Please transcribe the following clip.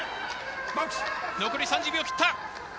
残り３０秒を切った。